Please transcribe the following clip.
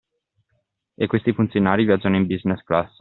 E questi funzionari viaggiano in business class?